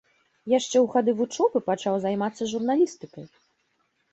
Яшчэ ў гады вучобы пачаў займацца журналістыкай.